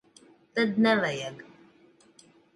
Tad nevajag.